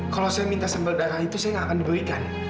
kalau saya minta sambal darah itu saya nggak akan diberikan